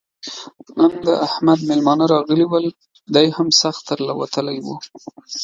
نن د احمد مېلمانه راغلي ول؛ دی هم سخت تر له وتلی وو.